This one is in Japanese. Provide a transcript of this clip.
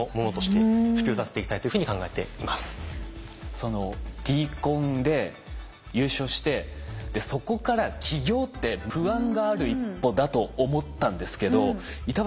そのＤＣＯＮで優勝してそこから起業って不安がある一歩だと思ったんですけど板橋